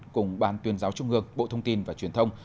cùng ban tuyên giáo trung ương bộ thông tin và truyền thông